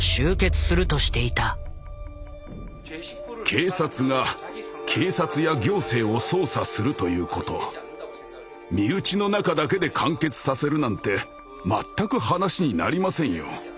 警察が警察や行政を捜査するということ身内の中だけで完結させるなんて全く話になりませんよ。